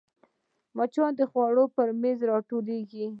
مچان د خوړو پر میز راټولېږي